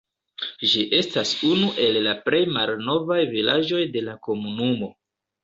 Ĝi estas unu el la plej malnovaj vilaĝoj de la komunumo.